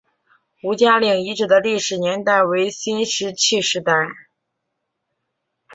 吴家岭遗址的历史年代为新石器时代。